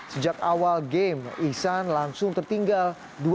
sejak awal game isan langsung tertinggal dua enam